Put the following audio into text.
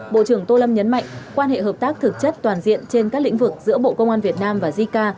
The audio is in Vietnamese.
bộ trưởng tô lâm nhấn mạnh quan hệ hợp tác thực chất toàn diện trên các lĩnh vực giữa bộ công an việt nam và jica